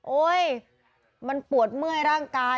โอ๊ยมันปวดเมื่อยร่างกาย